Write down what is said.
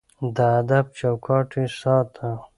د ادب چوکاټ يې ساته.